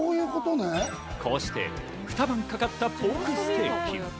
こうして、二晩かかったポークステーキ。